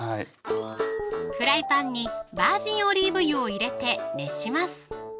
フライパンにバージンオリーブ油を入れて熱します